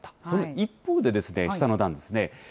その一方でですね、下の段ですね。